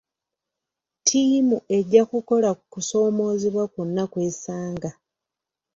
Ttiimu ejja kukola ku kusoomoozebwa kwonna kw'esanga.